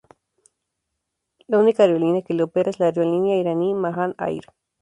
La única aerolínea que lo opera es la aerolínea iraní Mahan Air.